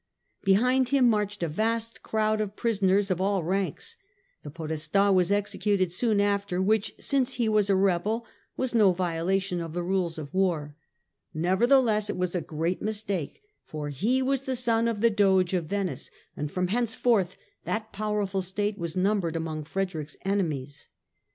Behind him marched a vast crowd of prisoners of all ranks. The Podesta was executed soon after, which, since he was a rebel, was no violation of the rules of war. Nevertheless it was a great mistake, for he was the son of the Doge of Venice, and from henceforth that powerful state was numbered among Frederick's enemies.